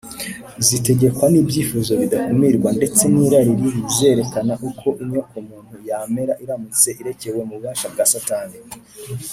zitegekwa n’ibyifuzo bidakumirwa ndetse n’irari ribi, zerekana uko inyokomuntu yamera iramutse irekewe mu bubasha bwa satani